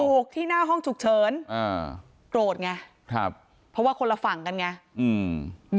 ถูกที่หน้าห้องฉุกเฉินโกรธไงเพราะว่าคนละฝั่งกันไง